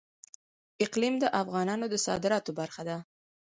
اقلیم د افغانستان د صادراتو برخه ده.